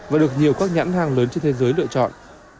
và được nhiều các nhãn hàng lớn trên thế giới lựa chọn